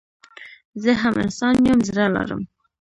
زه هم انسان يم زړه لرم